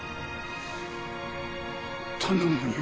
頼むよ。